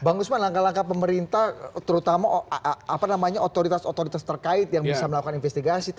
bang usman langkah langkah pemerintah terutama otoritas otoritas terkait yang bisa melakukan investigasi